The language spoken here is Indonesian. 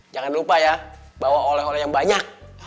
jangan lupa ya bawa oleh oleh yang banyak